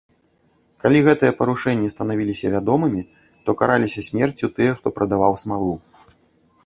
Калі гэтыя парушэнні станавіліся вядомымі, то караліся смерцю тыя, хто прадаваў смалу.